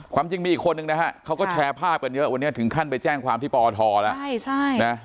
จริงมีอีกคนนึงนะฮะเขาก็แชร์ภาพกันเยอะวันนี้ถึงขั้นไปแจ้งความที่ปอทแล้ว